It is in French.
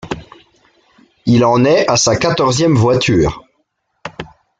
Il en est à sa quatorzième voiture.